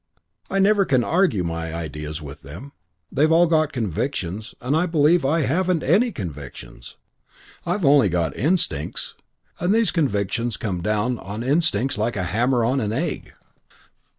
I never can argue my ideas with them. They've all got convictions and I believe I haven't any convictions. I've only got instincts and these convictions come down on instincts like a hammer on an egg."